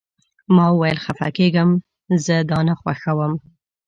ما وویل: خفه کیږم، زه دا نه خوښوم.